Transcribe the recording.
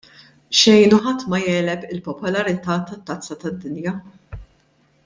Xejn u ħadd ma jegħleb il-popolarità tat-Tazza tad-Dinja.